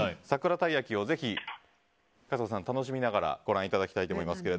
さくらたい焼きをぜひ角田さん、楽しみながらご覧いただきたいと思います。